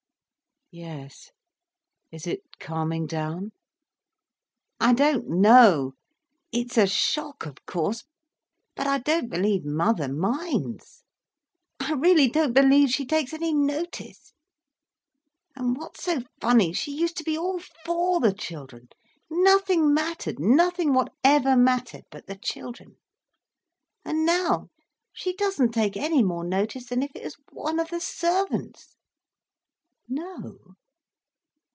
"Yes. Is it calming down?" "I don't know. It's a shock, of course. But I don't believe mother minds. I really don't believe she takes any notice. And what's so funny, she used to be all for the children—nothing mattered, nothing whatever mattered but the children. And now, she doesn't take any more notice than if it was one of the servants." "No?